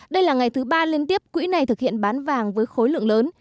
đây là ngày thứ ba liên tiếp quỹ này thực hiện bán vàng với khối lượng lớn